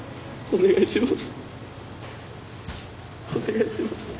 お願いします。